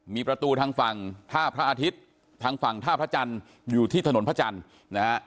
มีประตูทางฝั่งท่าพระอาทิตย์ทางฝั่งท่าพระจันทร์อยู่ที่ถนนพระจันทร์นะฮะ